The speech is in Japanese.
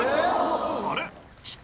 あれ？